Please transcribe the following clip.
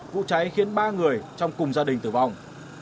vụ cháy khiến ba người trong cùng gia đình tử vong